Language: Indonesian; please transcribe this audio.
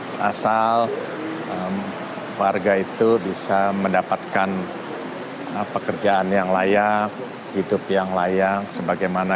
seasal warga itu bisa mendapatkan pekerjaan yang layak hidup yang layak sebagai pemerintah